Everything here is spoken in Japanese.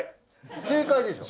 正解でしょ？